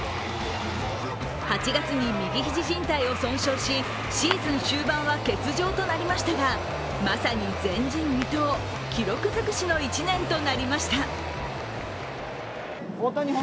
８月に右肘じん帯を損傷しシーズン終盤は欠場となりましたが、まさに前人未到、記録尽くしの１年となりました